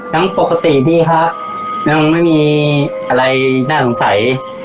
ยังปกติดีครับยังไม่มีอะไรน่าสงสัย